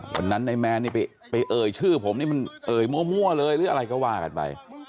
วันนั้นนายแมนนี่ไปเอ่ยชื่อผมนี่มันเอ่ยมั่วเลยหรืออะไรก็ว่ากันไป